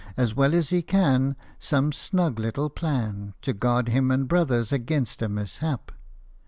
As well as he can, Some snug little plan To guard him and brothers against a mishap.